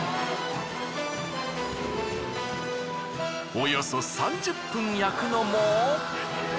およそ３０分焼くのも。